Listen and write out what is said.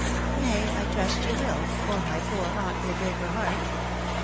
" Nay, I trust she will, or my poor aunt will break her heart.